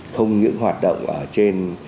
không những hoạt động ở trên